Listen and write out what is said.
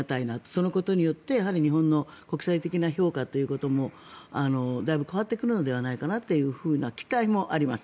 そのことによって日本の国際的な評価ということもだいぶ変わってくるのではないかという期待もあります。